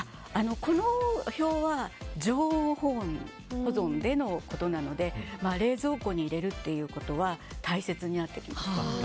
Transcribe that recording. この表は常温保存でのことなので冷蔵庫に入れるということは大切になってきます。